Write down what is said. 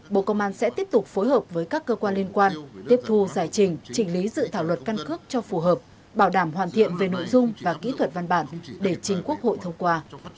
bộ công an sẽ tiếp tục phối hợp với các cơ quan liên quan tiếp thu giải trình chỉnh lý dự thảo luật căn cước cho phù hợp bảo đảm hoàn thiện về nội dung và kỹ thuật văn bản để trình quốc hội thông qua